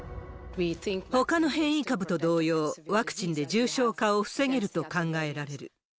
ほかの変異株と同様、ワクチンで重症化を防げると考えられる。